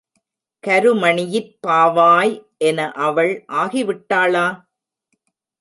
கருமணியிற் பாவாய் என அவள் ஆகிவிட்டாளா?